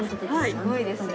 すごいですね。